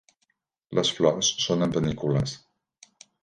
Les flors són en panícules.